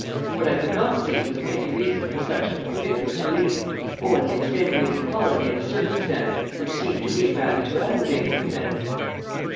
What I could not see was any reason for such conspicuous relief, or the extenuating quality of a circumstance which seemed to me rather to aggravate the offence.